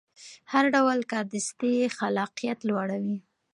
هر ډول کاردستي خلاقیت لوړوي.